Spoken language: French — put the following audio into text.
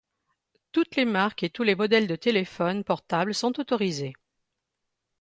Toutes les marques et tous les modèles de téléphone portable sont autorisés.